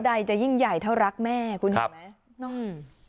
ใดจะยิ่งใหญ่เท่ารักแม่คุณเห็นไหม